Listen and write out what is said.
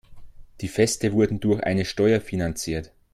Die Feste wurden durch eine Steuer finanziert.